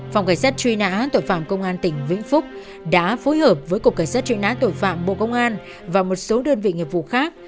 phòng cảnh sát truy nã tội phạm công an tỉnh vĩnh phúc đã phối hợp với cục cảnh sát truy nã tội phạm bộ công an và một số đơn vị nghiệp vụ khác